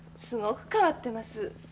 すごく変わってます。